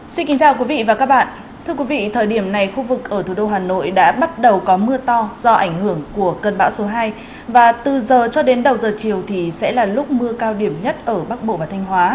xin kính chào quý vị và các bạn